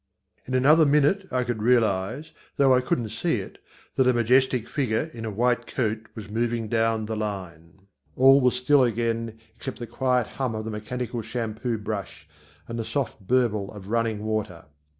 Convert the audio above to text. In another minute I could realize, though I couldn't see it, that a majestic figure in a white coat was moving down the line. All was still again except the quiet hum of the mechanical shampoo brush and the soft burble of running water.